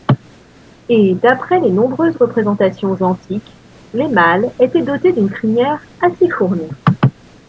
Et d'après les nombreuses représentations antiques les mâles étaient dotés d'une crinière assez fournie.